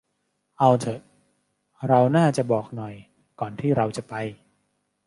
เอาเถอะ เราน่าจะบอกหน่อยก่อนที่เราจะไป